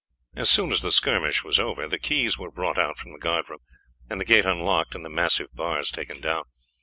As soon as the skirmish was over the keys were brought out from the guard room, and the gate unlocked and the massive bars taken down.